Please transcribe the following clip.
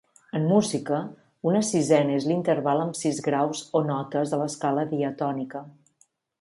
En música, una sisena és l'interval amb sis graus o notes de l'escala diatònica.